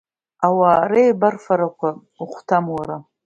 Ауаа реибарфарақәа ухәҭам уара.